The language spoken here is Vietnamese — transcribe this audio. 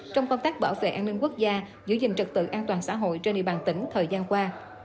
trong công tác bảo vệ an ninh quốc gia giữ gìn trực tự an toàn xã hội trên địa bàn tỉnh thời gian qua